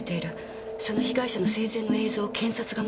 その被害者の生前の映像を検察が持っている。